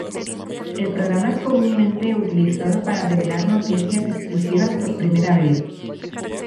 El programa es comúnmente utilizado para revelar noticias exclusivas por primera vez.